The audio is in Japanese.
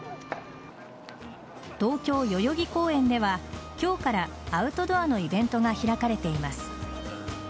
東京・代々木公園では今日からアウトドアのイベントが開かれています。